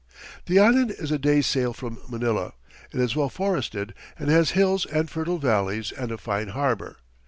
The island is a day's sail from Manila. It is well forested, and has hills and fertile valleys and a fine harbour.